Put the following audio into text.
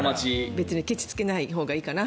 別にけちつけないほうがいいかな。